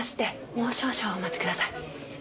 もう少々お待ちください。